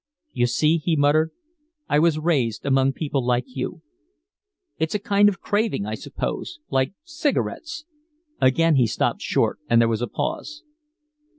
You see," he muttered, "I was raised among people like you. It's a kind of a craving, I suppose like cigarettes." Again he stopped short and there was a pause.